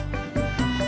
gak ada de